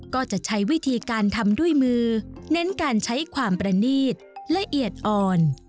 ก็จะใช้วิธีการทำด้วยมือเน้นการใช้ความประนีตละเอียดอ่อน